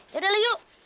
yaudah lah yuk